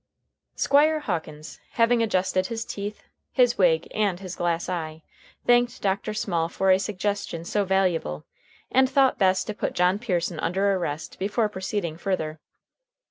Squire Hawkins, having adjusted his teeth, his wig, and his glass eye, thanked Dr. Small for a suggestion so valuable, and thought best to put John Pearson under arrest before proceeding further.